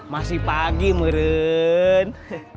masih pagi meren